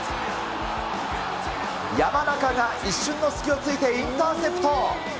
山中が一種の隙を突いて、インターセプト。